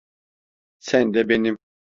Sen de benim.